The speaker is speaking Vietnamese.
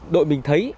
đội mình thấy